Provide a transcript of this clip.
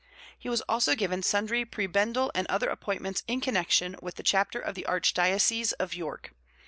He was also given sundry prebendal and other appointments in connection with the chapter of the archdiocese of York.